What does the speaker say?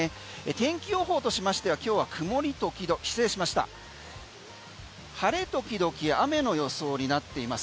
天気予報としましては今日は晴れ時々雨の予想になっています。